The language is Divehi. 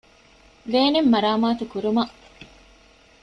ވޭނެއް މަރާމާތުކުރުމަށް